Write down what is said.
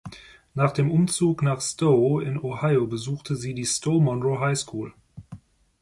Nach dem Umzug nach Stow in Ohio besuchte sie die Stow-Monroe High School.